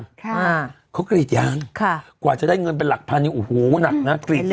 ผัวติว่ากรีดยางกว่าจะได้เงินเป็นหลักภัณฑ์ใหญ่